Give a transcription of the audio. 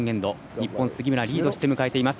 日本の杉村はリードして迎えています。